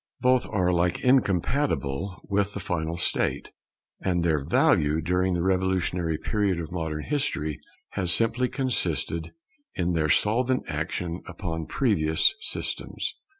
Both are alike incompatible with the final state; and their value during the revolutionary period of modern history has simply consisted in their solvent action upon previous systems.